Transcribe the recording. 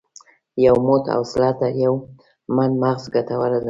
یو موټ حوصله تر یو من مغز ګټوره ده.